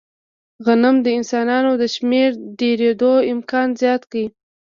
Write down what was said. غنم د انسانانو د شمېر ډېرېدو امکان زیات کړ.